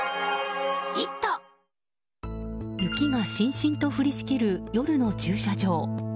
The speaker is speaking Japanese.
雪がしんしんと降りしきる夜の駐車場。